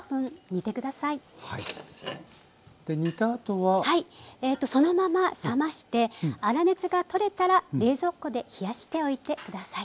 はいそのまま冷まして粗熱が取れたら冷蔵庫で冷やしておいて下さい。